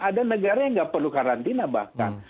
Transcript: ada negara yang nggak perlu karantina bahkan